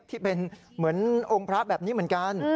ที่เป็นเหมือนองค์พระแบบนี้เหมือนกัน